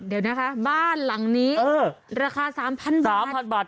เดี๋ยวนะคะบ้านหลังนี้ราคา๓๐๐บาท๓๐๐บาท